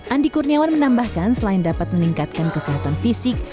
andi kurniawan menambahkan selain dapat meningkatkan kesehatan fisik